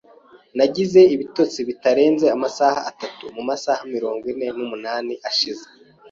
Nagize ibitotsi bitarenze amasaha atatu mumasaha mirongo ine n'umunani ashize.